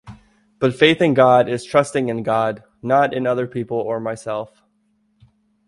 But faith in God is trusting in God, not in other people or myself